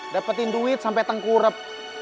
dapetin duit sampe tengkurep